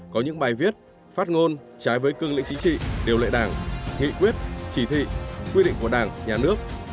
có những bài viết phát ngôn trái với cương lĩnh chính trị điều lệ đảng nghị quyết chỉ thị quy định của đảng nhà nước